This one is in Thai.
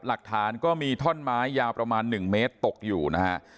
หลักฐานก็มีท่อนไม้ยาวประมาณ๑เมตรตกอยู่นะฮะ